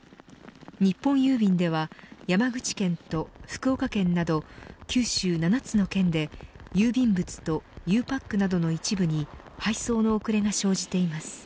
日本郵便では山口県と福岡県など九州７つの県で郵便物とゆうパックなどの一部に配送の遅れが生じています。